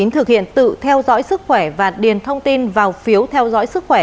thực hiện tự theo dõi sức khỏe và điền thông tin vào phiếu theo dõi sức khỏe